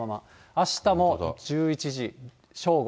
あしたの１１時、正午。